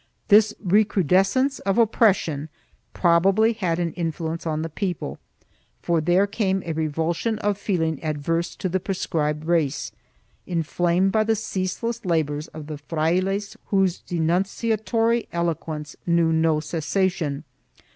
2 This recrudescence of oppression probably had an influence on the people, for there came a revulsion of feeling adverse to the proscribed race, inflamed by the ceaseless labors of the frailes whose denunciatory eloquence knew no cessation.